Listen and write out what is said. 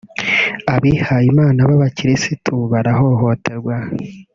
abihaye Imana b’abakirisitu barahotorwa